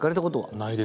ないです。